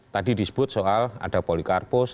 tadi disebut soal ada polikarpus